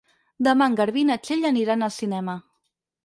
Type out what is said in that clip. Demà en Garbí i na Txell aniran al cinema.